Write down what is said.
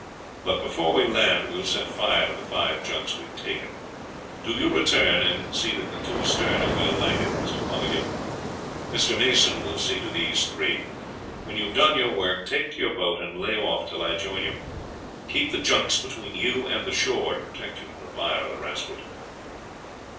But before we land we will set fire to the five junks we have taken. Do you return and see that the two astern are well lighted, Mr. Fothergill; Mr. Mason will see to these three. When you have done your work take to your boat and lay off till I join you; keep the junks between you and the shore, to protect you from the fire of the rascals."